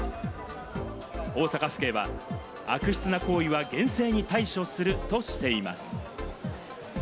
大阪府警は悪質な行為は厳正に対処するとしています。